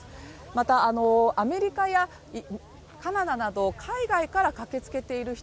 また、アメリカやカナダなど海外から駆けつけている人